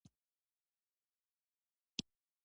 دا یوازې امریکا متحده ایالات نه دی چې توپیر لري.